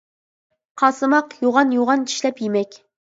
قاسىماق يوغان- يوغان چىشلەپ يېمەك.